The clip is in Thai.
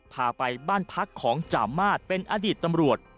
พาไปบ้านพักของจามาสเป็นอดีตตำรวจ